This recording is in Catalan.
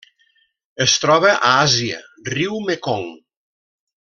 Es troba a Àsia: riu Mekong.